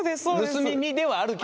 盗み見ではあるけど。